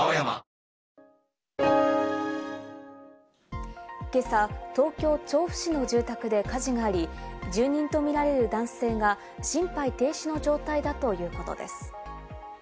続く今朝、東京・調布市の住宅で火事があり、住人とみられる男性が心肺停止の状態だということです。